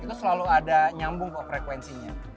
itu selalu ada nyambung kok frekuensinya